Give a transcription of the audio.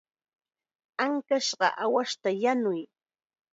Ankashqa aawasta yanuy.